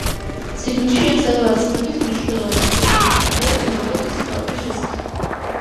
წიგნში ასევე ვაწყდებით მნიშვნელოვან ისტორიულ ცნობებს ლოპოტის ხეობის შესახებ.